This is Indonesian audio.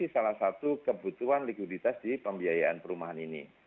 salah satu kebutuhan likuiditas di pembiayaan perumahan ini